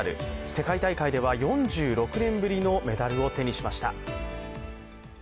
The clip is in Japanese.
世界大会では、４６年ぶりのメダルを手にしました。